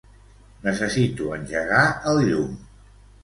Necessito engegar el llum.